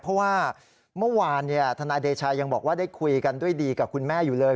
เพราะว่าเมื่อวานธนายเดชายังบอกว่าได้คุยกันด้วยดีกับคุณแม่อยู่เลย